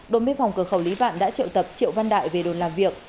đồn biên phòng cửa khẩu lý vạn đã triệu tập triệu văn đại về đồn làm việc